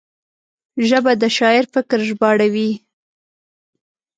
ژبه د شاعر فکر ژباړوي